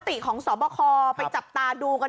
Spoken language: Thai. ท่านพิเศษอัพติของสอบขอไปจับตาดูกันหน่อยค่ะ